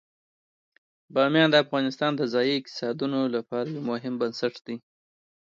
بامیان د افغانستان د ځایي اقتصادونو لپاره یو مهم بنسټ دی.